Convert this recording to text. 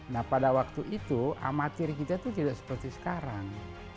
nah pada waktu itu amatir kita itu tidak seperti sekarang